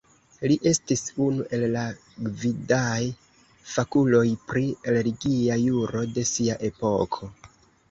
Li estis unu el la gvidaj fakuloj pri religia juro de sia epoko.